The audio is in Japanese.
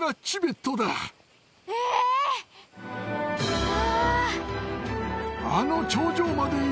うわ。